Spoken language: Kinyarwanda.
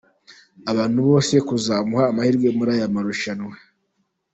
abantu bose kuzamuha amahirwe muri aya marushanwa.